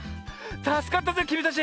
たすかったぜきみたち！